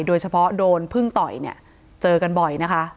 โดยเฉพาะโดนพึ่งต่อยเนี่ยเจอกันบ่อยนะคะ